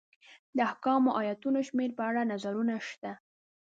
د احکامو ایتونو شمېر په اړه نظرونه شته.